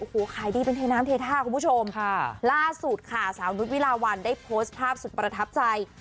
โอ้โหขายดีเป็นเทน้ำเทท่าคุณผู้ชมค่ะล่าสุดค่ะสาวนุษย์วิลาวันได้โพสต์ภาพสุดประทับใจ